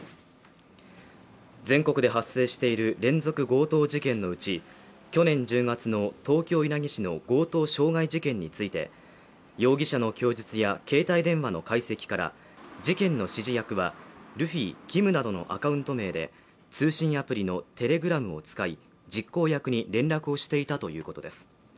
全国で発生している連続強盗事件のうち去年１０月の東京稲城市の強盗傷害事件について容疑者の供述や携帯電話の解析から事件の指示役はルフィ、キムなどのアカウント名で通信アプリのテレグラムを使い実行役に連絡していたということです